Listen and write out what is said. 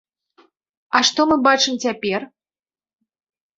А што мы бачым цяпер?